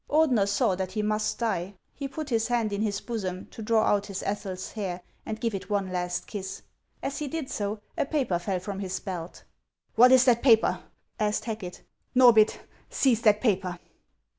Ordener saw that he must die. He put his hand in his bosom to draw out his Ethel's hair and give it one last kiss. As he did so, a paper fell from his belt. " What is that paper ?" asked Hacket. " Xorbith, seize that paper."